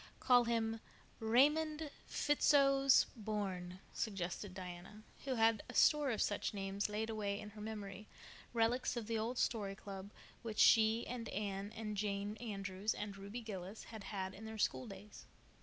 "Call him Raymond Fitzosborne," suggested Diana, who had a store of such names laid away in her memory, relics of the old "Story Club," which she and Anne and Jane Andrews and Ruby Gillis had had in their schooldays.